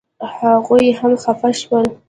هغوی هم خپه شول.